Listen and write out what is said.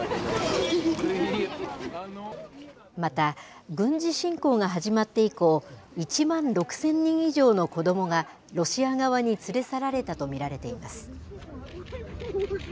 また、軍事侵攻が始まって以降、１万６０００人以上の子どもが、ロシア側に連れ去られたと見られています。